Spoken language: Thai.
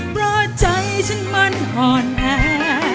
เพราะใจฉันมันอ่อนแอ